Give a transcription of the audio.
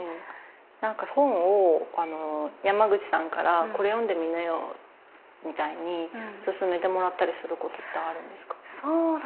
なんか本を山口さんからこれ読んでみなよみたいにすすめてもらったりすることってあるんですか？